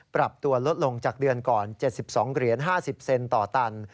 ปรับตัวลดลงจากเดือนก่อน๗๒เหรียญ๕๐เซนต่อตัน